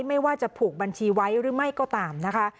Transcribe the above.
ไม่ว่าจะผูกบัญชีไว้หรือไม่ก็ตามนะคะ